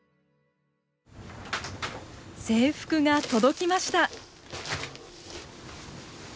制服が届きました。